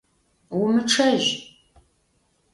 Умычъэжь!